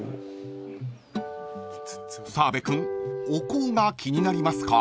［澤部君お香が気になりますか？］